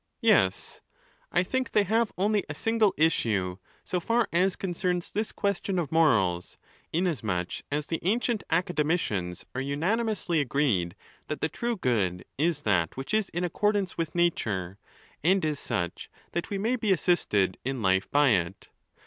—Yes. I think they have only a single issue, so far as concerns this question of morals; inasmuch as the ancient Academicians are unanimously agreed that the true good is that which is in accordance with nature, and is such that we may be assisted in life by it.